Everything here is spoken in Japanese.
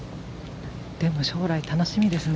でも、将来楽しみですよね。